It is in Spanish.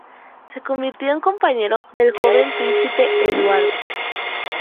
Se convirtió en compañero del joven príncipe Eduardo.